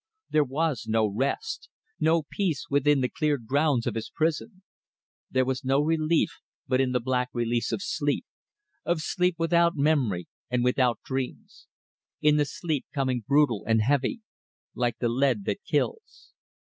There was no rest, no peace within the cleared grounds of his prison. There was no relief but in the black release of sleep, of sleep without memory and without dreams; in the sleep coming brutal and heavy, like the lead that kills.